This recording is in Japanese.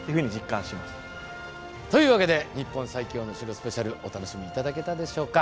というわけで「日本最強の城スペシャル」お楽しみ頂けたでしょうか。